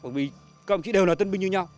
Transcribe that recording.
bởi vì các ông chí đều là tân binh như nhau